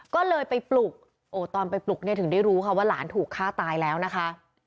ก็เลยไปปลุกโอ้ตอนไปปลุกเนี่ยถึงได้รู้ค่ะว่าหลานถูกฆ่าตายแล้วนะคะ